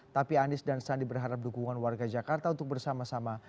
tapi anies dan sandi berharap dukungan warga jakarta untuk bersama sama